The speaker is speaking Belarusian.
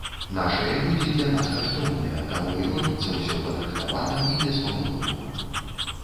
Нашыя людзі для нас каштоўныя, таму і робіцца ўсё падрыхтавана і беспамылкова.